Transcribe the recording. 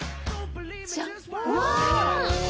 うわ！